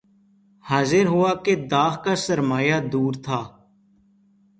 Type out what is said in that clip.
ظاہر ہوا کہ داغ کا سرمایہ دود تھا